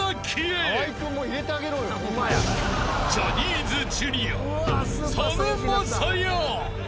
［ジャニーズＪｒ．佐野晶哉］